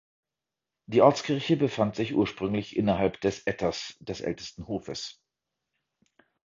Die Ortskirche befand sich ursprünglich innerhalb des Etters des ältesten Hofes.